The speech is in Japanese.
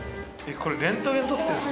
これレントゲンとってんすか？